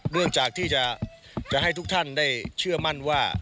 เรื่องจากที่จะให้ทุกท่านได้เชื่อมั่นว่า